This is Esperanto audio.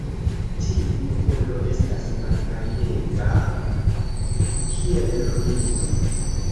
Tiu popolo estas malgajega, kiel ruino.